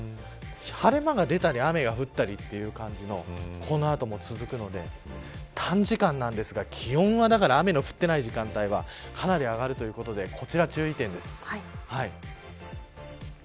晴れ間が出たり雨が降ったりという感じのこの後も続くので短時間なんですが気温は雨の降っていない時間帯はかなり上がるということでこちら、注意点です。